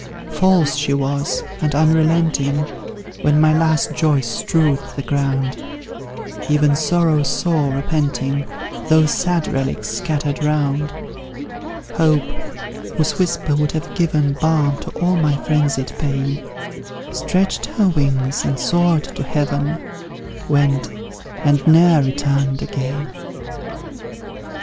False she was, and unrelenting; When my last joys strewed the ground, Even Sorrow saw, repenting, Those sad relics scattered round; Hope, whose whisper would have given Balm to all my frenzied pain, Stretched her wings, and soared to heaven, Went, and ne'er returned again!